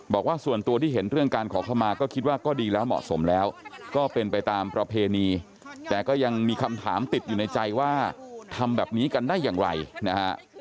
บอกว่าส่วนตัวที่เห็นเรื่องการขอเข้ามาก็คิดว่าก็ดีแล้วเหมาะสมแล้วก็เป็นไปตามประเพณีแต่ก็ยังมีคำถามติดอยู่ในใจว่าทำแบบนี้กันได้อย่างไรนะฮะ